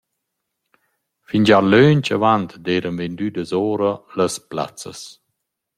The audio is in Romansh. Fingià lönch avant d’eiran vendüdas oura las plazzas.